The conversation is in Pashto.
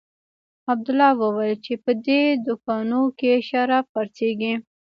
عبدالله وويل چې په دې دوکانو کښې شراب خرڅېږي.